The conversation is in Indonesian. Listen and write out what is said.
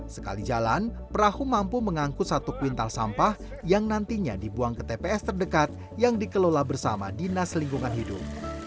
sekali jalan perahu mampu mengangkut satu kuintal sampah yang nantinya dibuang ke tps terdekat yang dikelola bersama dinas lingkungan hidup